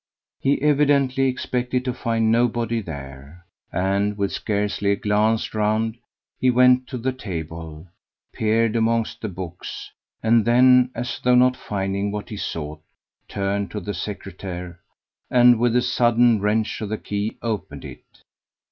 He evidently expected to find nobody there, and, with scarcely a glance round, went to the table, peered amongst the books, and then, as though not finding what he sought, turned to the secretaire, and with a sudden wrench of the key opened it.